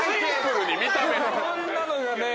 こんなのがね